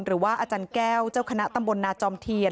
หรือว่าอาจารย์แก้วเจ้าคณะตำบลนาจอมเทียน